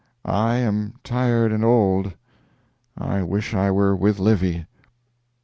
I am tired and old; I wish I were with Livy."